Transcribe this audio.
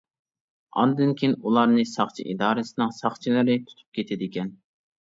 ئاندىن كېيىن ئۇلارنى ساقچى ئىدارىسىنىڭ ساقچىلىرى تۇتۇپ كېتىدىكەن.